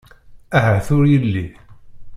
Ahat ur yelli.